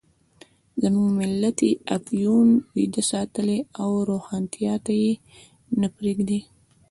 زموږ ملت یې په افیون ویده ساتلی او روښانتیا ته یې نه پرېږدي.